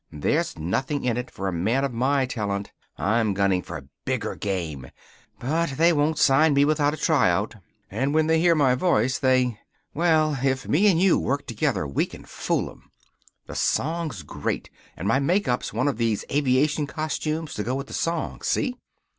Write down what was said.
There's nothing in it for a man of my talent. I'm gunning for bigger game. But they won't sign me without a tryout. And when they hear my voice they Well, if me and you work together we can fool 'em. The song's great. And my make up's one of these aviation costumes to go with the song, see?